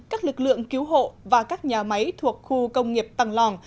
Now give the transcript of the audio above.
các lực lượng cứu hộ và các nhà máy thuộc khu công nghiệp tăng lòng